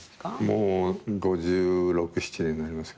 もう５６５７年になりますかね。